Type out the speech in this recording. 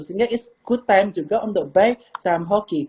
sehingga ini adalah waktu yang baik untuk membeli saham hoki